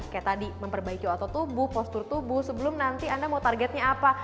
kayak tadi memperbaiki otot tubuh postur tubuh sebelum nanti anda mau targetnya apa